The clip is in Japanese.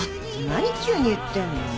何急に言ってんの？